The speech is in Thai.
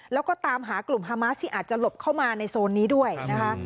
แล้วก็ตามหากลุ่มฮามาสที่อาจจะหลบเข้ามาในโซนนี้ด้วยนะคะ